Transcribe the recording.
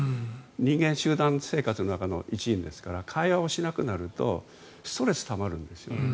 人間、集団生活の中の一員ですから会話をしなくなるとストレスがたまるんですよね。